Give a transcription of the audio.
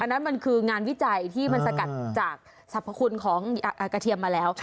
นั่นมันคืองานวิจัยที่มันสกัดจากสรรพคุณของกระเทียมมาแล้ว